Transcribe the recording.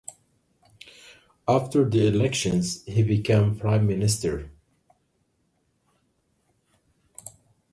After the elections, he became Prime Minister.